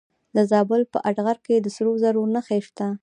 د زابل په اتغر کې د سرو زرو نښې شته.